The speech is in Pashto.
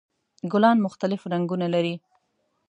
ګلان مختلف رنګونه لري.